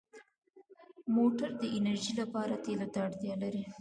موټر د انرژۍ لپاره تېلو ته اړتیا لري.